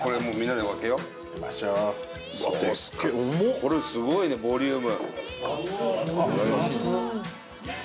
これすごいねボリューム。